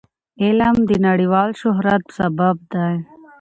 علم د نړیوال شهرت سبب دی.